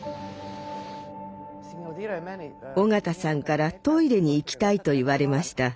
緒方さんからトイレに行きたいと言われました。